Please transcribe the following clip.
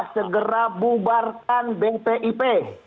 segera bubarkan bpip